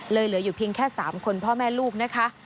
เลยอยู่เดียวกับ๓คนพ่อแม่ลูกนะคะ